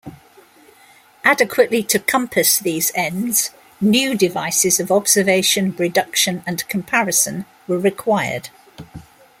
Adequately to compass these ends, new devices of observation, reduction, and comparison were required.